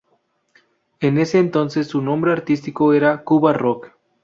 En ese entonces su nombre artístico era "Cuba Rock".